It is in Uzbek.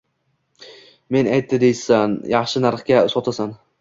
Meni aytdi deysan, yaxshi narxga sotasan